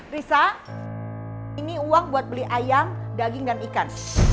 risa ini uang buat beli ayam daging dan ikan